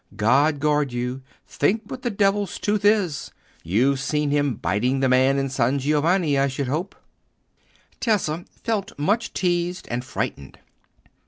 God guard you! think what the Devil's tooth is! You've seen him biting the man in San Giovanni, I should hope?" Tessa felt much teased and frightened.